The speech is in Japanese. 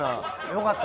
よかった